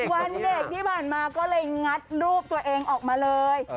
วันเด็กที่ผ่านมาก็เลยงัดรูปตัวเองออกมาเลย